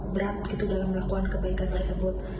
berat gitu dalam melakukan kebaikan tersebut